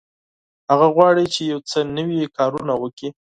هغه غواړي چې یو څه نوي کارونه وکړي.